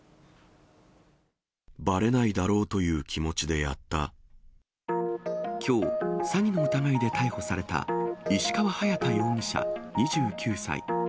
ばれないだろうという気持ちきょう、詐欺の疑いで逮捕された石川隼大容疑者２９歳。